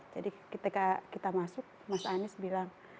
jadi ketika kita masuk mas anies bilang